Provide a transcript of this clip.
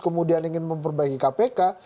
kemudian ingin memperbaiki kpk